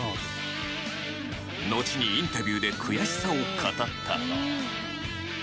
のちにインタビューで悔しさを語った。